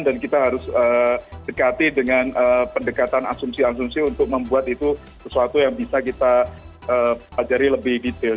dan kita harus dekati dengan pendekatan asumsi asumsi untuk membuat itu sesuatu yang bisa kita pelajari lebih detail